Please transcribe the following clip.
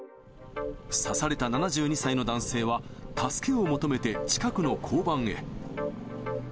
刺された７２歳の男性は助けを求めて、近くの交番へ。